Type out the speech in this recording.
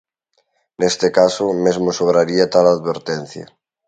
Neste caso, mesmo sobraría tal advertencia.